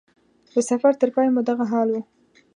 د سفر تر پای مو دغه حال و.